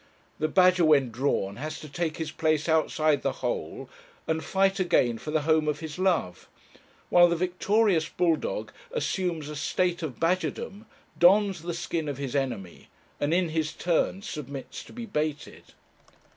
The badger when drawn has to take his place outside the hole, and fight again for the home of his love; while the victorious bull dog assumes a state of badgerdom, dons the skin of his enemy, and, in his turn, submits to be baited.